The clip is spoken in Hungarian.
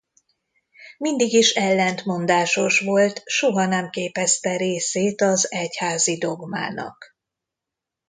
Mindig is ellentmondásos volt soha nem képezte részét az egyházi dogmának.